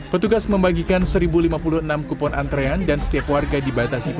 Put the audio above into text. petugas membagikan seribu lima puluh enam kupon antrean dan setiap warga dibatasi